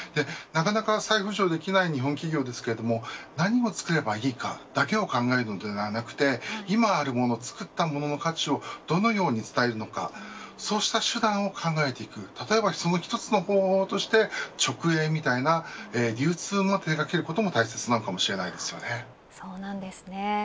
なかなか再浮上できない日本企業ですが何をつくればいいかだけを考えるのではなく今あるもの作ったものの価値をどのように伝えるのかそうした手段を考えていく例えばその一つの方法として直営のような流通を手掛けることも大切なのかもしれません。